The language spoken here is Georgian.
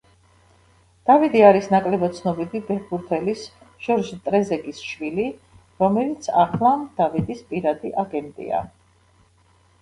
დავიდი არის ნაკლებად ცნობილი ფეხბურთელის ჟორჟ ტრეზეგეს შვილი, რომელიც ახლა დავიდის პირადი აგენტია.